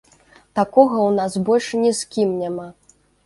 Такога ў нас больш ні з кім няма.